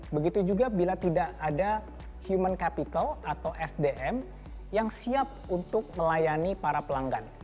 begitu juga bila tidak ada human capital atau sdm yang siap untuk melayani para pelanggan